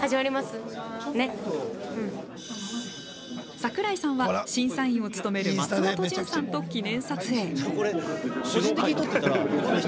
櫻井さんは審査員を務める松本潤さんと記念撮影。